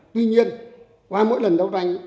tuy nhiên qua mỗi lần đấu tranh